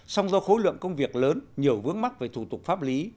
song do khối lượng công việc lớn nhiều vướng mắc về thủ tục pháp lý